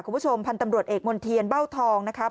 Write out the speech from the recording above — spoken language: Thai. คุณผู้ชมพันธุ์ตำรวจเอกมนเทียนเบ้าทองนะครับ